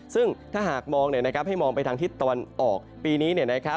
ซึ่งถ้าหากมองให้มองไปทางทิศตะวันออกปีนี้